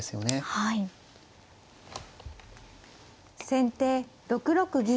先手６六銀。